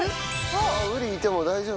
ウリいても大丈夫？